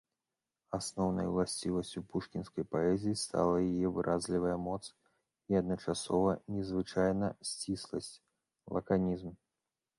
Асноўнай уласцівасцю пушкінскай паэзіі стала яе выразлівая моц і адначасова незвычайна сцісласць, лаканізм.